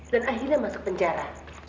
dan akhirnya masuk penjara